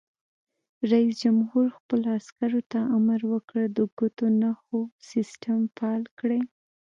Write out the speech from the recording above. رئیس جمهور خپلو عسکرو ته امر وکړ؛ د ګوتو نښو سیسټم فعال کړئ!